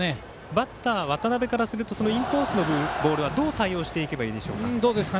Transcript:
バッター渡邉からするとインコースのボールをどう対応していけばいいでしょう。